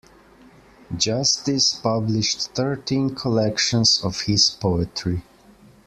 Justice published thirteen collections of his poetry.